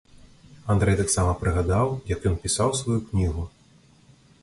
Андрэй таксама прыгадаў, як ён пісаў сваю кнігу.